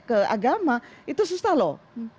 ke agama itu susah loh